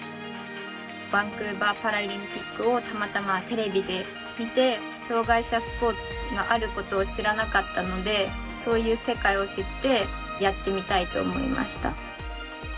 バンクーバーパラリンピックをたまたまテレビで見て障がい者スポーツがあることを知らなかったのでそういう世界を知ってやってみたいと思いました。